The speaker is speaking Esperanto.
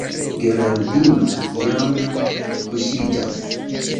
Geraldino jam kuŝiĝas.